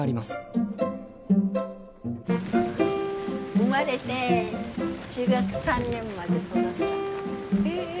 生まれて中学３年まで育った家。